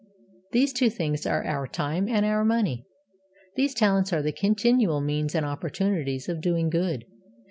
These two things are our time and our money. These talents are the continual means and opportunities of doing good.'